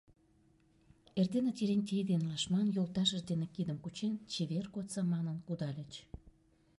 Эрден Терентей ден Лашман йолташышт дене кидым кучен, «чевер кодса» манын кудальыч.